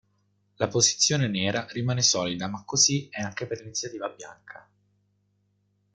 La posizione nera rimane solida ma così è anche per l'iniziativa bianca.